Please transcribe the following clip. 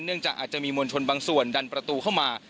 จากอาจจะมีมวลชนบางส่วนดันประตูเข้ามา